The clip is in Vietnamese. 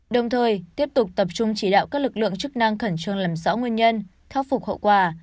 đồng thời tiếp tục tập trung chỉ đạo các lực lượng chức năng khẩn trương làm rõ nguyên nhân khắc phục hậu quả